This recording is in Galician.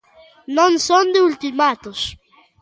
Non son de ultimatos.